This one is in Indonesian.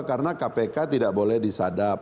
karena kpk tidak boleh disadap